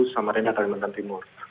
samarinda kalimantan timur